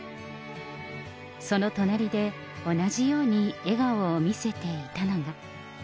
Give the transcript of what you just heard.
その隣で同じように笑顔を見せていたのが。